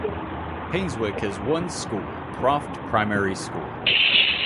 Painswick has one school, Croft Primary School.